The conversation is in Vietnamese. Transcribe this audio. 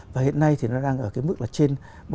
và hiện nay thì nó đang ở cái mức là trên